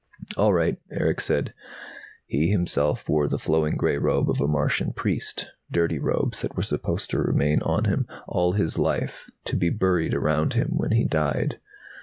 "All right," Erick said. He, himself, wore the flowing grey robe of a Martian priest, dirty robes that were supposed to remain on him all his life, to be buried around him when he died.